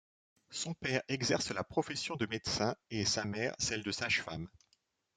Son père exerce la profession de médecin et sa mère celle de sage-femme.